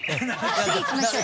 次いきましょう。